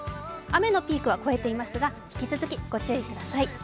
雨のピークは越えていますが、引き続きご注意ください。